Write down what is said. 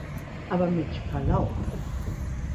Aber mit Verlaub!